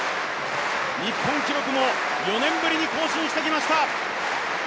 日本記録も４年ぶりに更新してきました。